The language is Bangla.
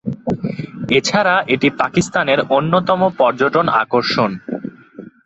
এছাড়া এটি পাকিস্তানের অন্যতম পর্যটন আকর্ষণ।